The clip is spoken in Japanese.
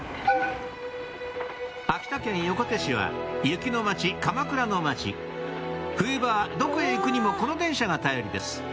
秋田県横手市は雪の町かまくらの町冬場はどこへ行くにもこの電車が頼りです